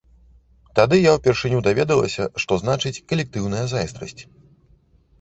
Тады я ўпершыню даведалася, што значыць калектыўная зайздрасць.